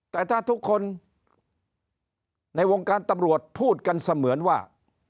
แต่ถ้าทุกคนในวงการตำรวจพูดกันเสมือนว่า